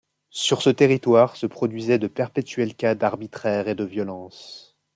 Sur ce territoire se produisaient de perpétuels cas d’arbitraire et de violences.